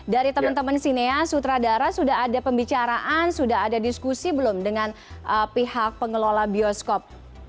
dari teman teman sineas sutradara sudah ada pembicaraan sudah ada diskusi belum dengan pihak pengelola bioskop